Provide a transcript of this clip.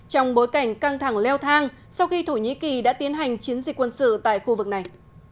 trong bối cảnh căng thẳng leo thang sau khi thổ nhĩ kỳ đã tiến hành chiến dịch quân sự tại khu vực này